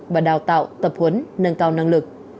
và đào tạo tập huấn nâng cao năng lực